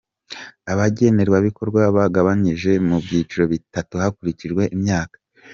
Abagenerwabikorwa bagabanyije mu byiciro bitatu hakurikijwe imyaka:.